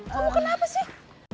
kamu kenapa sih